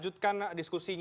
buka pak buka pak